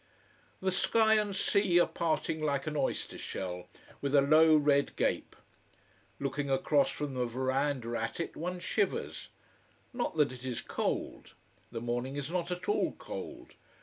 The sky and sea are parting like an oyster shell, with a low red gape. Looking across from the veranda at it, one shivers. Not that it is cold. The morning is not at all cold.